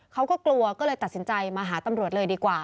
เขาก็กลัวก็เลยตัดสินใจมาหาตำรวจเลยดีกว่า